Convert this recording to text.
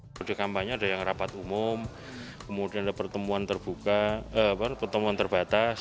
pembelian kampanye ada yang rapat umum kemudian ada pertemuan terbatas